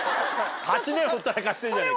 ８年ほったらかしてんじゃねえか。